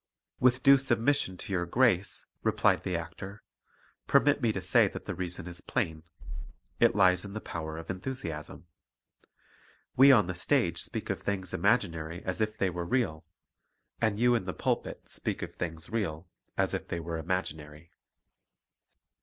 "With due submission to your grace," replied the actqr, "permit me to say that the reason is plain: it lies in the power of enthusiasm. We on the stage speak of things imaginary as if they were real, and you in the pulpit speak of things real as if they were imaginary."